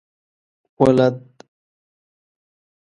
ولد؟